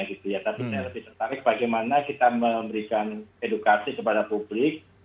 tapi saya lebih tertarik bagaimana kita memberikan edukasi kepada publik